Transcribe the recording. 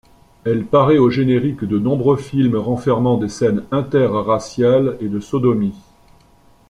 Elle parait au générique de nombreux films renfermant des scènes interraciales et de sodomie.